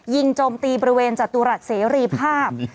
โจมตีบริเวณจตุรัสเสรีภาพ